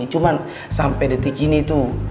cuman sampai detik ini tuh